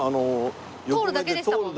通るだけでしたもんね。